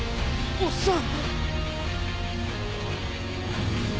おっさん！